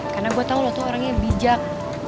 karena gue tau lo tuh orangnya bijak